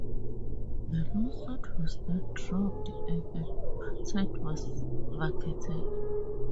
The lawsuit was then dropped and the patent was vacated.